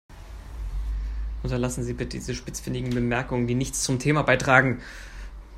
Unterlassen Sie bitte diese spitzfindigen Bemerkungen, die nichts zum Thema beitragen.